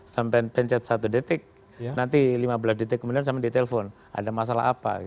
sampai pencet satu detik nanti lima belas detik kemudian sampai ditelepon ada masalah apa